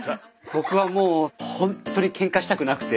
僕はもうほんとにケンカしたくなくて。